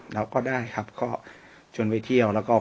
แล้วก็ได้ครับก็ชวนไปเที่ยวแล้วก็